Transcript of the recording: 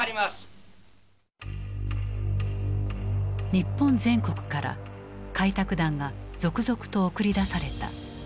日本全国から開拓団が続々と送り出された。